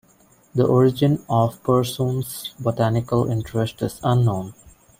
The origin of Persoon's botanical interest is unknown.